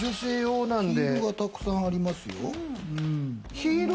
ヒールがたくさんありますよ。